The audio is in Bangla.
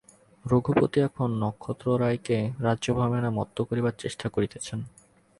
রঘুপতি এখন নক্ষত্ররায়কে রাজ্যাভিমানে মত্ত করিবার চেষ্টা করিতেছেন।